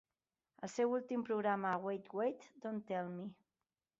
El seu últim programa a 'Wait Wait... Don't Tell Me!'